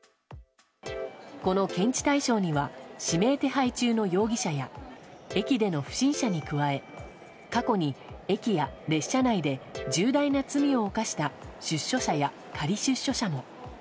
この検知対象には指名手配中の容疑者や駅での不審者に加え過去に駅や列車内で重大な罪を犯した出所者や仮出所者も。